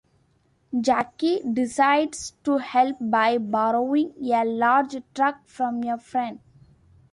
Jackie decides to help by borrowing a large truck from a friend.